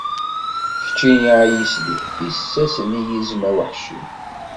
Keččini ay isli, tissas n yizem aweḥci.